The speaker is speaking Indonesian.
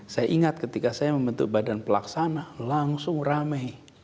saya ingat ketika saya membentuk badan pelaksana langsung rame